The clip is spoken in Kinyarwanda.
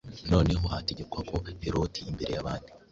Noneho hategekwa ko Heroti imbere yabandi